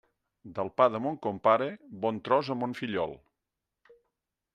Del pa de mon compare, bon tros a mon fillol.